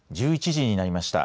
１１時になりました。